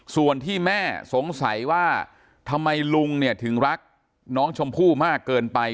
ส่วนที่แม่สงสัยว่าทำไมลุงเนี่ยถึงรักน้องชมพู่มากเกินไป